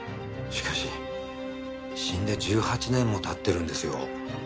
しかし死んで１８年も経ってるんですよ。